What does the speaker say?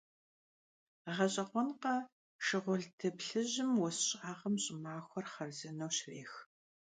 ГъэщӀэгъуэнкъэ, шыгъулды плъыжьым уэс щӀагъым щӀымахуэр хъарзынэу щрех.